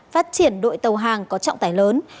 phát triển đội tàu hàng có trọng tải lớn